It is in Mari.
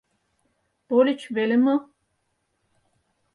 Тольыч веле мо?